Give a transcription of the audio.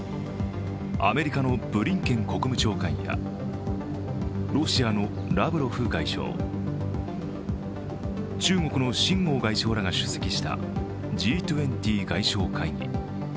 アメリカのブリンケン国務長官やロシアのラブロフ外相、中国の秦剛外相らが出席したＧ２０外相会議。